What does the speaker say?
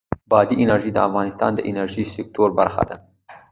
بادي انرژي د افغانستان د انرژۍ سکتور برخه ده.